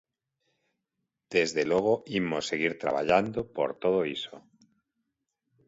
Desde logo, imos seguir traballando por todo iso.